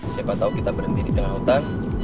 siapa tahu kita berhenti di tengah hutan